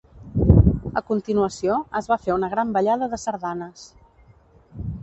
A continuació es va fer una gran ballada de sardanes.